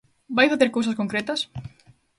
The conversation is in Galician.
¿Vai facer cousas concretas?